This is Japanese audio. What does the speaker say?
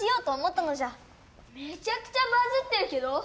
めちゃくちゃバズってるけど？